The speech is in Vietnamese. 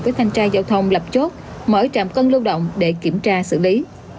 với thanh tra giao thông lập chốt mở trạm cân lưu động để kiểm tra xử lý